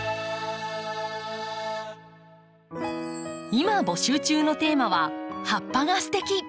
今募集中のテーマは「葉っぱがステキ！」。